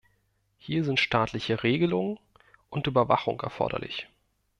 Hier sind staatliche Regelungen und Überwachung erforderlich.